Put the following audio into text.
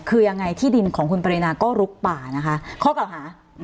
คือยังไงที่ดินของคุณปรินาก็ลุกป่านะคะข้อเก่าหา